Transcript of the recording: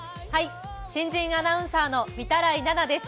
新人アナウンサーの御手洗菜々です。